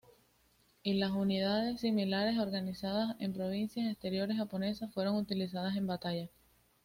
Y las unidades similares organizadas en provincias exteriores japonesas fueron utilizadas en batalla.